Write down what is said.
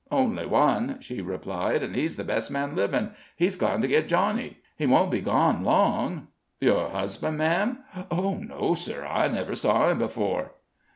"Only one," she replied, "and he's the best man livin'. He's gone to get Johnny he won't be gone long." "Your husband, ma'am?" "'Oh, no, sir; I never saw him before."